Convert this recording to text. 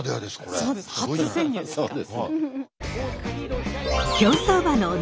そうです初潜入ですから。